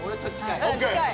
ＯＫ。